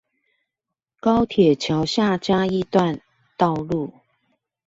高鐵橋下嘉義段道路